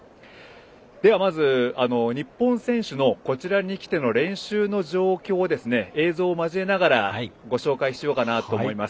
まず、日本選手のこちらに来ての練習の状況を映像を交えながらご紹介しようかなと思います。